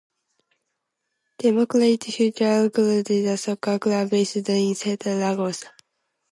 Democrata Futebol Clube is a soccer club based in Sete Lagoas.